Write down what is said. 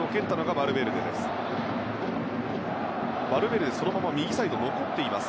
バルベルデ、そのまま右サイドに残っています。